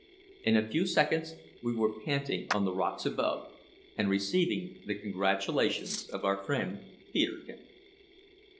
In a few seconds we were panting on the rocks above, and receiving the congratulations of our friend Peterkin.